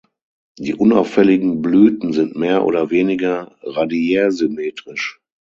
Die unauffälligen Blüten sind mehr oder weniger radiärsymmetrisch.